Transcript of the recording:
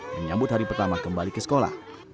menyambut hari pertama kembali ke sekolah